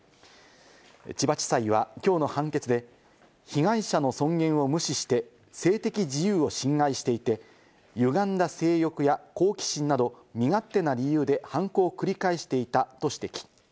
千葉地裁はきょうの判決で被害者の尊厳を無視して性的自由を侵害していて、歪んだ性欲や好奇心など、身勝手な理由で犯行を繰り返していたと指摘。